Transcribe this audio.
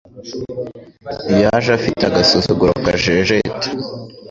yaje afite agasuzuguro kajejeta